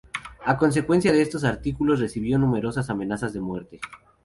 A consecuencia de estos artículos, recibió numerosas amenazas de muerte.